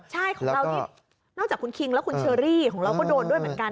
ใช่ของเรานี่นอกจากคุณคิงแล้วคุณเชอรี่ของเราก็โดนด้วยเหมือนกัน